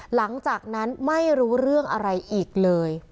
หลังจากนั้นไม่รู้เรื่องอะไรอีกเลย